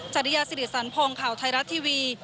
จริยาสิริสันพงศ์ข่าวไทยรัฐทีวี